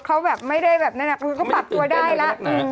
เขาไม่ได้แบบนั้นแต่ก็ปรับตัวได้แล้ว